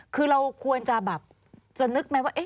คือเราควรจะแบบจะนึกไหมว่า